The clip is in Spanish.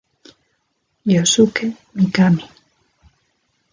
Yosuke Mikami